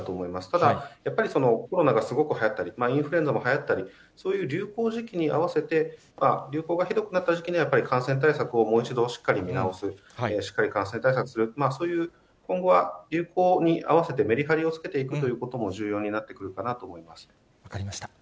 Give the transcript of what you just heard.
ただやっぱりコロナがすごくはやったり、インフルエンザもはやったり、そういう流行時期に合わせて、流行がひどくなった時期には、感染対策をもう一度しっかり見直す、しっかり感染対策をする、今後は流行に合わせてメリハリをつけていくということも重要にな分かりました。